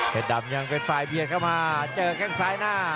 ดำยังเป็นฝ่ายเบียดเข้ามาเจอแข้งซ้ายหน้า